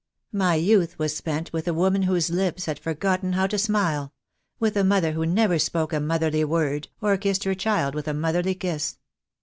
My youth was spent with a woman whose lips had forgotten how to smile — with a mother who never spoke a motherly word, or kissed her child with a motherly kiss.